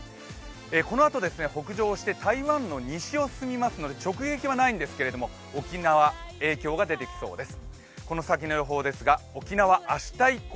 このあと北上して台湾の西を進みますので、直撃はないんですけれども沖縄、影響が出てきそうです。